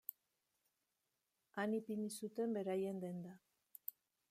Han ipini zuten beraien denda.